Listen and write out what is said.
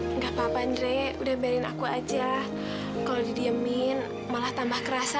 enggak papa andre udah berin aku aja kalau didiemin malah tambah kerasa